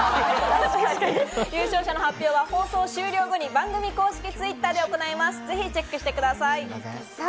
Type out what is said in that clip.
優勝者の発表は放送終了後に番組公式Ｔｗｉｔｔｅｒで行います。